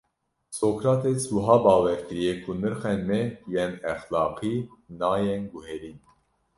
Sokrates wiha bawer kiriye ku nirxên me yên exlaqî nayên guherîn.